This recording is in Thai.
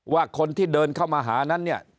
ว่าคนที่เดินเข้ามาหานั้นเนี่ย